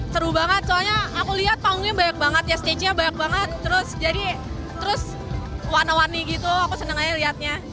seru banget soalnya aku lihat panggungnya banyak banget ya stage nya banyak banget terus jadi terus warna warni gitu aku seneng aja lihatnya